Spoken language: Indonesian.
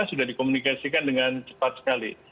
sudah dikomunikasikan dengan cepat sekali